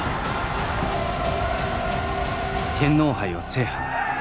天皇杯を制覇。